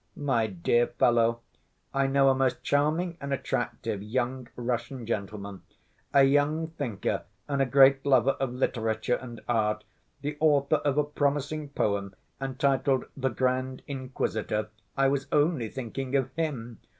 "My dear fellow, I know a most charming and attractive young Russian gentleman, a young thinker and a great lover of literature and art, the author of a promising poem entitled The Grand Inquisitor. I was only thinking of him!"